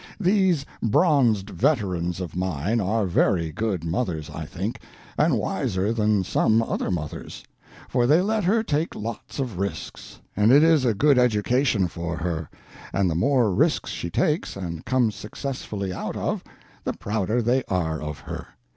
These bronzed veterans of mine are very good mothers, I think, and wiser than some other mothers; for they let her take lots of risks, and it is a good education for her; and the more risks she takes and comes successfully out of, the prouder they are of her.